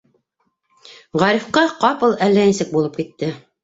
- Ғарифҡа ҡапыл әллә нисек булып китте.